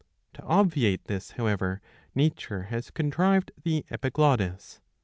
To obviate this, however, nature has contrived the epiglottis.